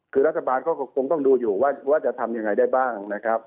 คือรัฐบาลก็คงต้องดูอยู่ว่าจะทำยังไงได้บ้างนะครับ